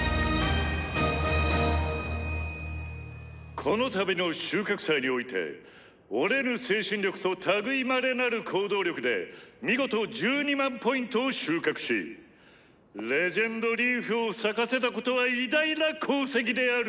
「この度の収穫祭において折れぬ精神力と類いまれなる行動力で見事１２００００Ｐを収穫し『伝説のリーフ』を咲かせたことは偉大な功績である。